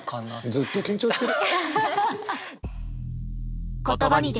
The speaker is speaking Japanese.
ずっと緊張してる。